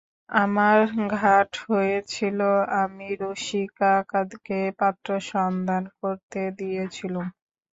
আমার ঘাট হয়েছিল আমি রসিককাকাকে পাত্র সন্ধান করতে দিয়েছিলুম।